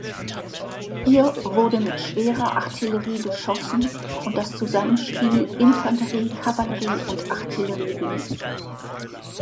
Hier wurde mit schwerer Artillerie geschossen und das Zusammenspiel Infanterie, Kavallerie und Artillerie geübt.